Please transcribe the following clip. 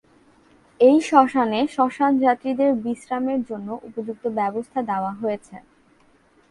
এই শ্মশানে শ্মশান যাত্রীদের বিশ্রামের জন্য উপযুক্ত ব্যবস্থা দেওয়া হয়েছে।